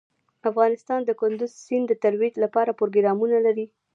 افغانستان د کندز سیند د ترویج لپاره پروګرامونه لري.